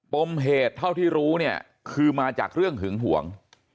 ปมเหตุเท่าที่รู้เนี่ยคือมาจากเรื่องหึงห่วง